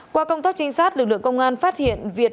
qua công tác trinh sát lực lượng công an phát hiện việt